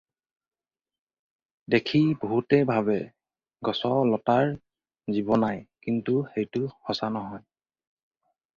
দেখি বহুতে ভাবে গছ লতাৰ জীৱ নাই, কিন্তু সেইটো সঁচা নহয়।